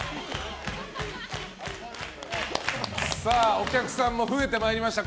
お客さんも増えてまいりました。